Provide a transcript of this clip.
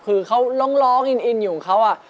คือเขาร้องอินอยู่ของเขา